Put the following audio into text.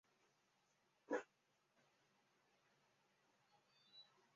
根据渲染技术的不同这个做法也有所不同。